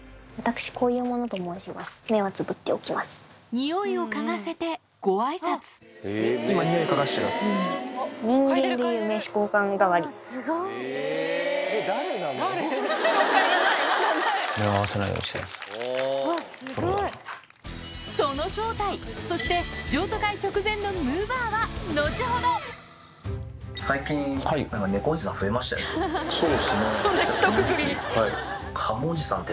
ニオイを嗅がせてご挨拶その正体そして譲渡会直前のむぅばあは後ほどほう。